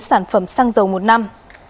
sản phẩm xăng dầu một năm